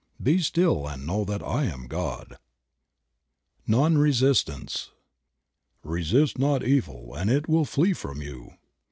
"Be still and know that I Am God." NON RESISTANCE. ""RESIST not evil and it will flee from you."